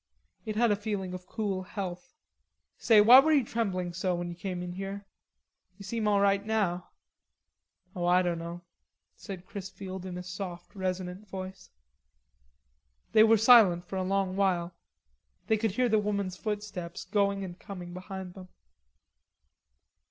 It had a feeling of cool health. "Say, why were you trembling so when you came in here? You seem all right now." "Oh, Ah dunno,'" said Chrisfield in a soft resonant voice. They were silent for a long while. They could hear the woman's footsteps going and coming behind them.